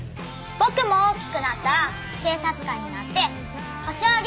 僕も大きくなったら警察官になってホシを挙げるんだ！